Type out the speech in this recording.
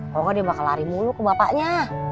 kalo gak dia bakal lari mulu ke bapaknya